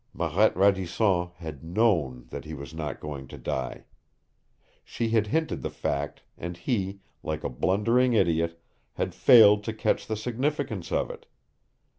Marette Radisson had known that he was not going to die! She had hinted the fact, and he, like a blundering idiot, had failed to catch the significance of it.